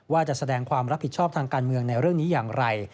ว่าจะแสดงความรับผิดชอบทางการเมืองในเรื่องนี้อย่างไร